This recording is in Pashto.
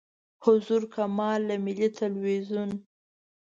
ظهور کمال له ملي تلویزیون.